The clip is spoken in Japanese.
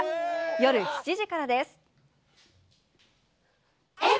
夜７時からです。